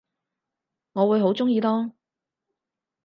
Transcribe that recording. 我會好鍾意囉